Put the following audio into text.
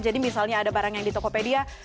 jadi misalnya ada barang yang di tokopedia